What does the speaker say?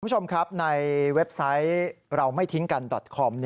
คุณผู้ชมครับในเว็บไซต์เราไม่ทิ้งกันดอตคอม